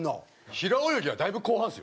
平泳ぎはだいぶ後半っすよ。